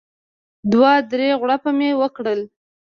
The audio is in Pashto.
دوه درې غوړپه مې وکړل.